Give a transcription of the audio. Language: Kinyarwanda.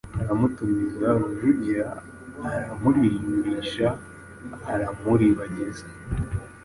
Aramutumiza, Rujugira aramurimbisha, aramuribagiza,